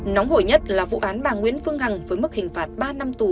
nóng hổi nhất là vụ án bà nguyễn phương hằng với mức hình phạt ba năm tù